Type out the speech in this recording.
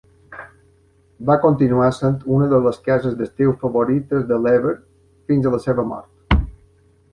Va continuar sent una de les cases d'estiu favorites de Lever fins a la seva mort.